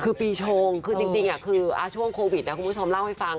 คือปีชงคือจริงคือช่วงโควิดนะคุณผู้ชมเล่าให้ฟัง